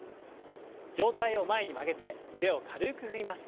上体を前に曲げて腕を軽く振ります。